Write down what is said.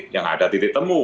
yang ada titik temu